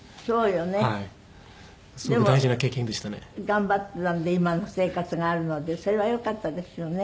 頑張ったんで今の生活があるのでそれはよかったですよね。